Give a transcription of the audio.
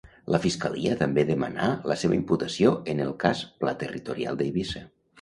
La Fiscalia també demanà la seva imputació en el Cas Pla Territorial d'Eivissa.